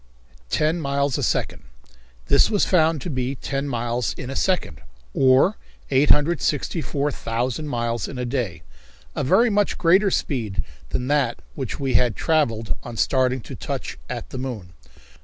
Ten Miles A Second! This was found to be ten miles in a second, or 864,000 miles in a day, a very much greater speed than that with which we had travelled on starting to touch at the moon.